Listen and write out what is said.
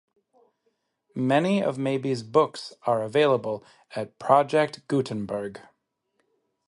Many of Mabie's books are available at Project Gutenberg.